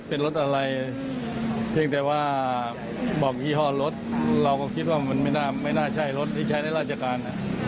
เพราะว่ามันไม่น่าใช่รถที่ใช้ในราชการ